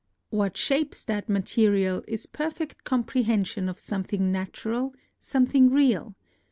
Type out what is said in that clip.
What shapes that material is perfect comprehension of something natu ral, something real.